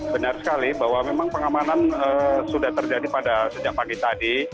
benar sekali bahwa memang pengamanan sudah terjadi pada sejak pagi tadi